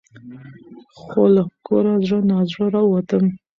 خو له کوره زړه نا زړه راوتم .